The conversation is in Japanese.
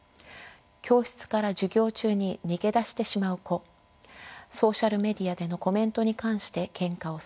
教室から授業中に逃げ出してしまう子ソーシャルメディアでのコメントに関してけんかをする子供たち